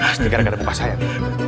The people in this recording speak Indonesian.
pasti gara gara buka sayap